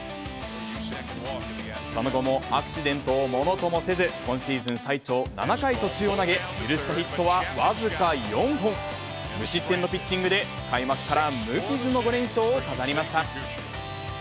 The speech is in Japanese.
その後もアクシデントをものともせず、今シーズン最長、７回途中を投げ、許したヒットは僅か４本、無失点のピッチングで開幕から無傷の５連勝を飾りました。